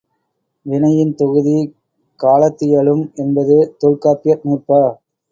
வினையின் தொகுதி காலத்தியலும் என்பது தொல்காப்பிய நூற்பா.